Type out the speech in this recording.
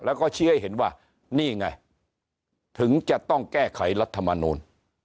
แล้วก็ชี้ให้เห็นว่านี่ไงถึงจะต้องแก้ไขรัฐมนูล